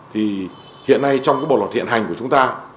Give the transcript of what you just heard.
thì hiện nay trong cái bộ luật hiện hành của chúng ta